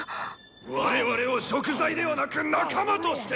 「我々を食材ではなく仲魔として！」。